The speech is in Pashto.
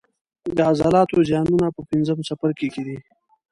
د عضلاتو زیانونه په پنځم څپرکي کې دي.